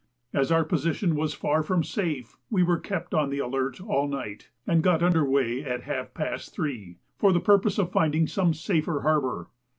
As our position was far from safe, we were kept on the alert all night, and got under weigh at half past three, for the purpose of finding some safer harbour.